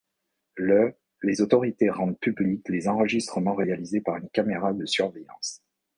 Le les autorités rendent publics les enregistrements réalisés par une caméra de surveillance.